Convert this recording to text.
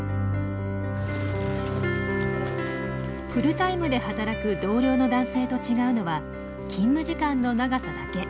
フルタイムで働く同僚の男性と違うのは勤務時間の長さだけ。